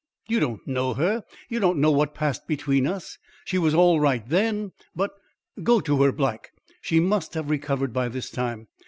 "You don't know her; you don't know what passed between us. She was all right then, but Go to her, Black. She must have recovered by this time.